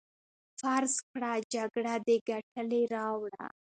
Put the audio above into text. فرض کړه جګړه دې ګټلې راوړه.